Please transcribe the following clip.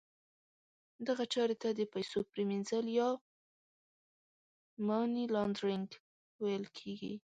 دغه چارې ته د پیسو پریمینځل یا Money Laundering ویل کیږي.